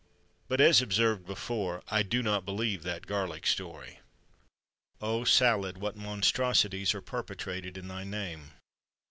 But, as observed before, I do not believe that garlic story. O salad, what monstrosities are perpetrated in thy name!